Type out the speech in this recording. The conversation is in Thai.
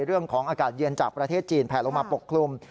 เรื่องของอากาศเยียนจากประเทศจีนแผ่ลงมาปกคลุม